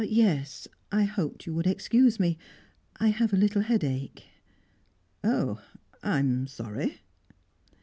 "Yes. I hoped you would excuse me. I have a little headache." "Oh, I'm sorry!"